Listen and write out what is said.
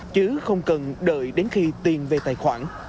chứ không cần đợi đến khi tiền về tài khoản